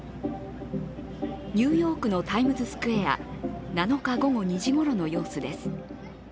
ニューヨークのタイムズスクエア、７日午後２時ごろの様子です。